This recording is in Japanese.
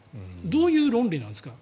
どういう論理なんですか？